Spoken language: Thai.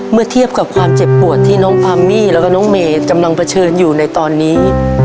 เมื่อเทียบกับความเจ็บปวดที่น้องพามมี่แล้วก็น้องเมย์กำลังเผชิญอยู่ในตอนนี้